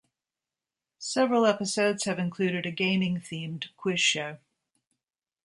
Several episodes have included a gaming-themed quiz show.